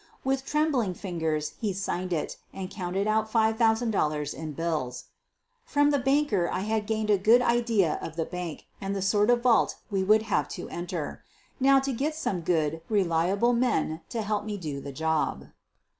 With trembling fingers he signed it and counted out $5,000 in bills. From the banker I had gained a good idea of the bank and the sort of vault we would have to enter. Now, to get some good, reliable men to help me do the job.